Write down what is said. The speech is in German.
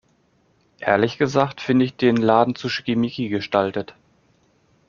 Ehrlich gesagt finde ich den Laden zu schickimicki gestaltet.